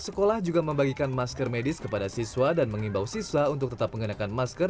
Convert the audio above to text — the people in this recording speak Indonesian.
sekolah juga membagikan masker medis kepada siswa dan mengimbau siswa untuk tetap menggunakan masker